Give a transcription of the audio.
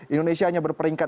indonesia hanya berperingkat